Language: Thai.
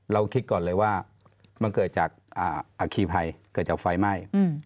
คิดก่อนเลยว่ามันเกิดจากอาคีภัยเกิดจากไฟไหม้